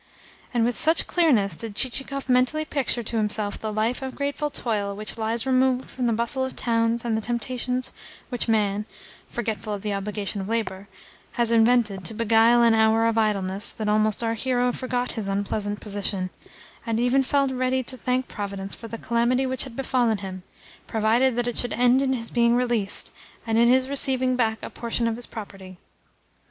And with such clearness did Chichikov mentally picture to himself the life of grateful toil which lies removed from the bustle of towns and the temptations which man, forgetful of the obligation of labour, has invented to beguile an hour of idleness that almost our hero forgot his unpleasant position, and even felt ready to thank Providence for the calamity which had befallen him, provided that it should end in his being released, and in his receiving back a portion of his property.